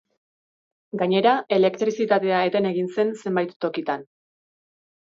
Gainera, elektrizitatea eten egin zen zenbait tokitan.